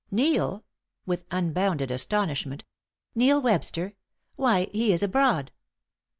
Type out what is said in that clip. "Neil!" with unbounded astonishment, "Neil Webster! Why, he is abroad."